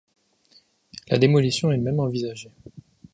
La démolition est même envisagée.